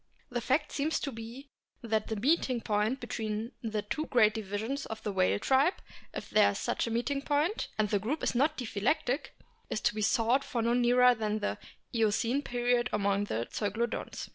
The fact seems to be that the meeting point between the two great divisions of the whale tribe, if there is such a meeting point, and the group is not diphyletic, is to be sought for no nearer than in the Eocene period among the Zeuglodonts.